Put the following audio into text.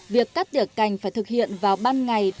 việc cắt tỉa cành phải thực hiện vào ban ngày